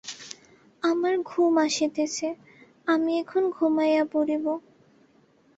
আমার ঘুম আসিতেছে, আমি এখনি ঘুমাইয়া পড়িব।